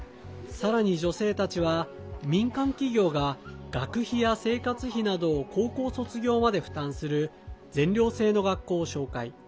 さらに女性たちは民間企業が、学費や生活費などを高校卒業まで負担する全寮制の学校を紹介。